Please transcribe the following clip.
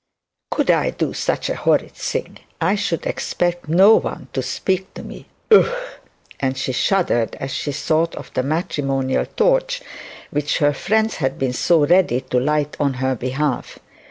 Could I do such a horrid thing, I should expect no one to speak to me. Ugh ' and she shuddered as she thought of the matrimonial torch which her friends had been so ready to light on her behalf.